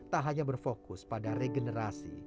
tak hanya berfokus pada regenerasi